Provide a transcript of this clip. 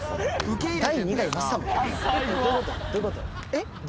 えっ？